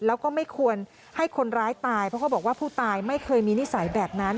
แล้วก็ไม่ควรให้คนร้ายตายเพราะเขาบอกว่าผู้ตายไม่เคยมีนิสัยแบบนั้น